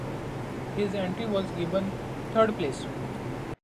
His entry was given third place.